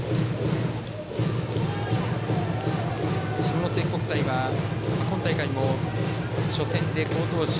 下関国際は、今大会も初戦で好投手